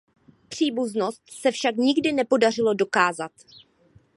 Příbuznost se však nikdy nepodařilo dokázat.